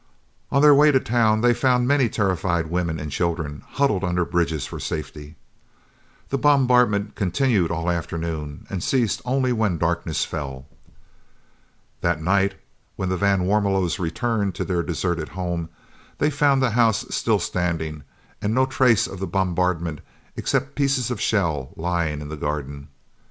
On their way to town, they found many terrified women and children huddled under bridges for safety. The bombardment continued all the afternoon, and ceased only when darkness fell. That night, when the van Warmelos returned to their deserted home, they found the house still standing and no trace of the bombardment except pieces of shell lying in the garden.